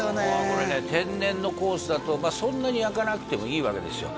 これね天然のコースだとそんなに焼かなくてもいいわけですよ